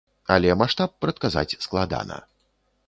Але маштаб прадказаць складана.